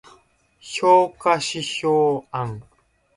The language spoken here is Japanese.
評価指標案